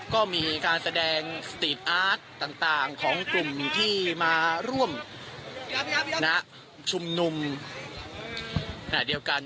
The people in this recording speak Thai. ก็มีการแสดงต่างต่างของกลุ่มที่มาร่วมนะครับชุมนุมน่ะเดียวกัน